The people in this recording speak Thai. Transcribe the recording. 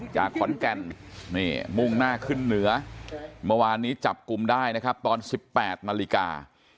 จากขอนแก่นนี่มุ่งหน้าขึ้นเหนือเมื่อวานนี้จับกลุ่มได้นะครับตอน๑๘นาฬิกา